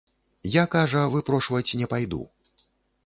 Я, кажа, выпрошваць не пайду.